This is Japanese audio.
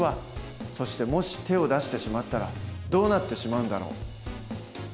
そしてもし手を出してしまったらどうなってしまうんだろう？